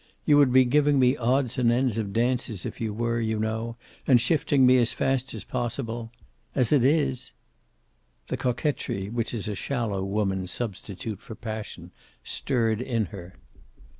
You would be giving me odds and ends of dances if you were, you know, and shifting me as fast as possible. As it is " The coquetry which is a shallow woman's substitute for passion stirred in her.